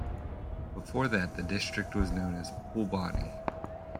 Before that the district was known as Phulbani.